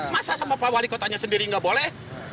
masa sama pak wali kotanya sendiri nggak boleh